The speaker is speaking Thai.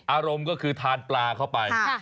อารมณ์ก็คือทานปลาเข้าไป